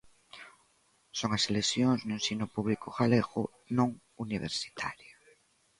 Son as eleccións no ensino público galego non universitario.